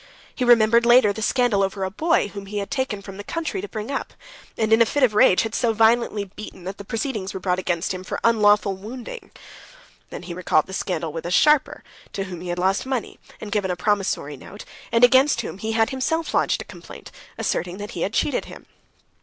He remembered later the scandal over a boy, whom he had taken from the country to bring up, and, in a fit of rage, had so violently beaten that proceedings were brought against him for unlawfully wounding. Then he recalled the scandal with a sharper, to whom he had lost money, and given a promissory note, and against whom he had himself lodged a complaint, asserting that he had cheated him.